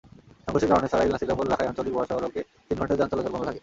সংঘর্ষের কারণে সরাইল-নাসিরনগর-লাখাই আঞ্চলিক মহাসড়কে তিন ঘণ্টা যান চলাচল বন্ধ থাকে।